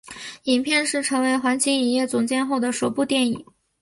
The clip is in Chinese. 影片是成为环球影业总监后的首部电影。